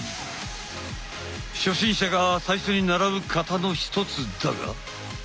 初心者が最初に習う形のひとつだが。